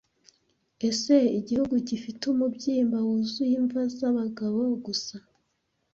Ese igihugu gifite umubyimba wuzuye imva zabagabo gusa